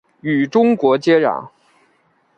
与中国接壤。